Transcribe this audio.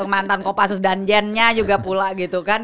mantan kopassus dan jennya juga pula gitu kan